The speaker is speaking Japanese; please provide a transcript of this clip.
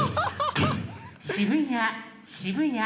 渋谷